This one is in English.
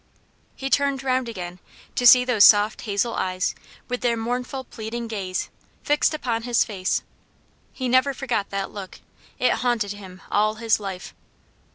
He turned round again, to see those soft, hazel eyes, with their mournful, pleading gaze, fixed upon his face. He never forgot that look; it haunted him all his life.